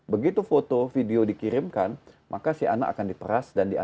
begitu foto video dikirimkan maka si anak akan diperas dan diangkat